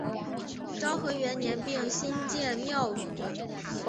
昭和元年并新建庙宇。